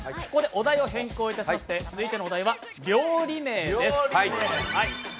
お題を変更いたしまして続いてのお題は料理名です。